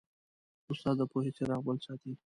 استاد د پوهې څراغ بل ساتي.